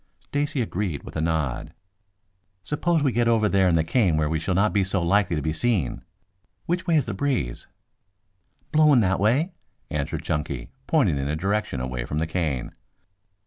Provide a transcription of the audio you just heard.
Stacy agreed with a nod. "Suppose we get over there in the cane where we shall not be so likely to be seen. Which way is the breeze?" "Blowing that way," answered Chunky, pointing in a direction away from the cane.